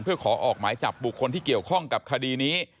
เพื่อขอออกหมายจับบุคคลที่เกี่ยวข้องกับคดีนี้